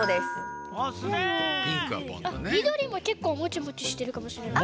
みどりもけっこうモチモチしてるかもしれない。